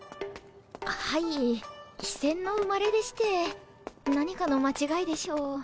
はい卑賤の生まれでして何かの間違いでしょう。